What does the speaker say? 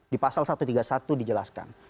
di pasal satu ratus tiga puluh satu dijelaskan